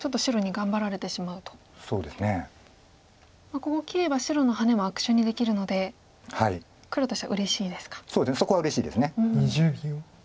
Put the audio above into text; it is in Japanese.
ここ切れば白のハネは悪手にできるので黒としてはうれしいですか。